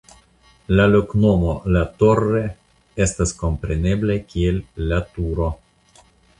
La loknomo "La Torre" estas komprenebla kiel "La Turo".